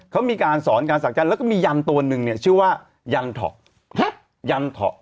เขามีการสอนการศักดิ์ยันต์แล้วก็มียันต์ตัวนึงชื่อว่ายันทะ